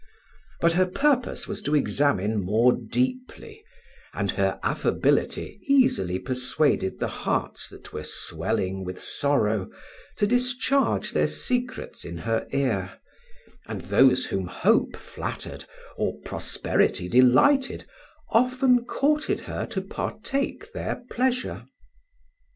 But her purpose was to examine more deeply, and her affability easily persuaded the hearts that were swelling with sorrow to discharge their secrets in her ear, and those whom hope flattered or prosperity delighted often courted her to partake their pleasure.